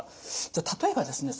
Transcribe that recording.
じゃあ例えばですね